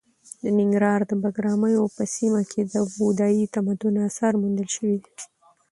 د ننګرهار د بګراميو په سیمه کې د بودايي تمدن اثار موندل شوي دي.